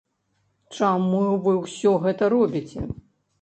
Чаму вы ўсё гэта робіце?